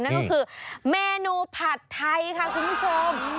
นั่นก็คือเมนูผัดไทยค่ะคุณผู้ชม